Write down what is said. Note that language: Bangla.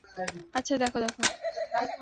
আচ্ছা, দ্যাখো, দ্যাখো।